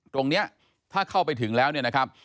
ตรงนี้ถ้าเข้าไปถึงแล้วเนี่ยนะครับ